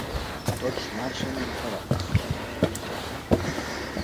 Tots marxen enfadats.